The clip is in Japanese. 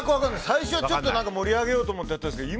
最初はちょっと盛り上げようと思ってやってたんですけど。